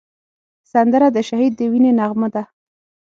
سندره د شهید د وینې نغمه ده